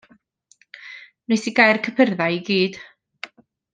Wnes i gau'r cypyrdda i gyd.